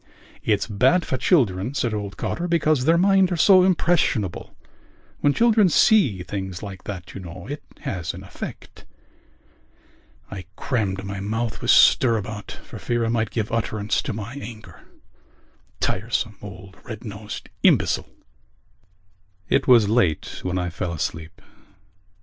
"It's bad for children," said old Cotter, "because their minds are so impressionable. When children see things like that, you know, it has an effect...." I crammed my mouth with stirabout for fear I might give utterance to my anger. Tiresome old red nosed imbecile! It was late when I fell asleep.